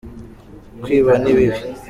kwiba ni bibi